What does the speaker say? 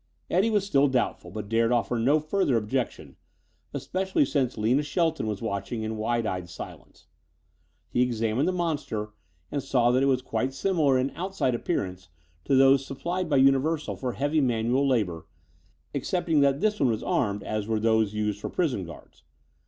Eddie was still doubtful but dared offer no further objection, especially since Lina Shelton was watching in wide eyed silence. He examined the monster and saw that it was quite similar in outside appearance to those supplied by Universal for heavy manual labor, excepting that this one was armed as were those used for prison guards.